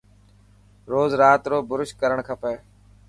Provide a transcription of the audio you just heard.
روز رات رو برش ڪرڻ کپي.